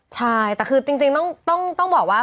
ใช่แต่คือจริงต้องบอกว่า